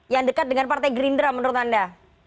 yang dekat dengan partai gerindra menurut anda